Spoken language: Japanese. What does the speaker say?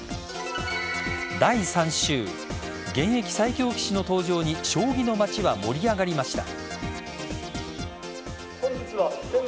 第３週現役最強棋士の登場に将棋の街は盛り上がりました。